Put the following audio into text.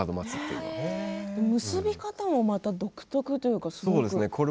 結び方もまた独特というか美しい。